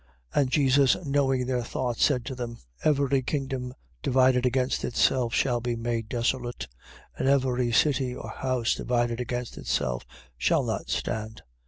12:25. And Jesus knowing their thoughts, said to them: Every kingdom divided against itself shall be made desolate: and every city or house divided against itself shall not stand.